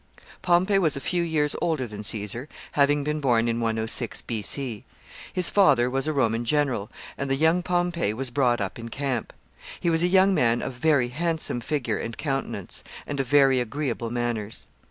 ] Pompey was a few years older than Caesar, having been born in 106 B.C. His father was a Roman general, and the young Pompey was brought up in camp. He was a young man of very handsome figure and countenance, and of very agreeable manners.